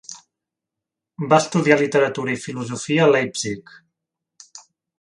Va estudiar literatura i filosofia a Leipzig.